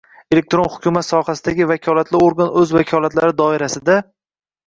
Elektron hukumat sohasidagi vakolatli organ o‘z vakolatlari doirasida: